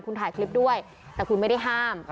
คุณถ่ายคลิปด้วยแต่คุณไม่ได้ห้าม